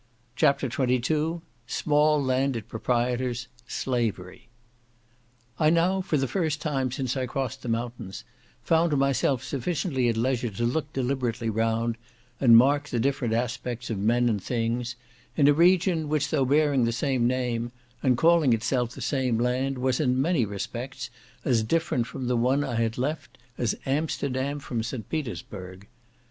CHAPTER XXII Small Landed Proprietors—Slavery I now, for the first time since I crossed the mountains, found myself sufficiently at leisure to look deliberately round, and mark the different aspects of men and things in a region which, though bearing the same name, and calling itself the same land, was, in many respects, as different from the one I had left, as Amsterdam from St. Petersburg.